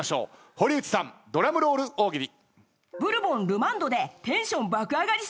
堀内さんドラムロール大喜利。